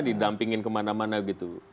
didampingin kemana mana gitu